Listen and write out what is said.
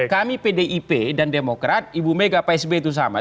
kami pdip dan demokrat ibu mega pak sby itu sama